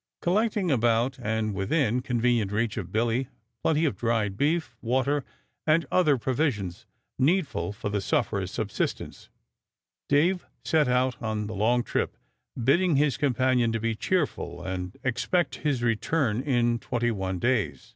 Collecting about and within convenient reach of Billy plenty of dried beef, water, and other provisions needful for the sufferer's subsistence, Dave set out on the long trip, bidding his companion to be cheerful and expect his return in twenty one days.